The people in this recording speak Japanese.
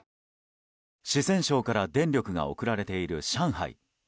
四川省から電力が送られている上海。